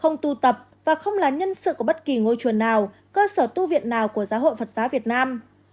không tu tập và không là nhân sự của bất kỳ ngôi chùa nào cơ sở tu viện nào của giáo hội phật giáo việt nam